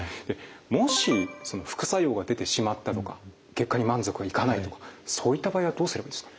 もし副作用が出てしまったとか結果に満足がいかないとかそういった場合はどうすればいいですか？